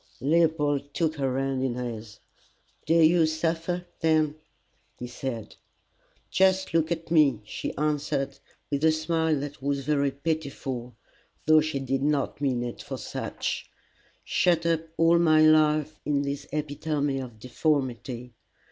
Leopold took her hand in his. "Do you suffer then?" he said. "Just look at me," she answered with a smile that was very pitiful, though she did not mean it for such, " shut up all my life in this epitome of deformity!